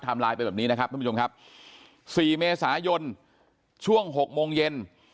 ไลน์ไปแบบนี้นะครับท่านผู้ชมครับ๔เมษายนช่วง๖โมงเย็น